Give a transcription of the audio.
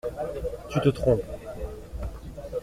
Tu te trompes.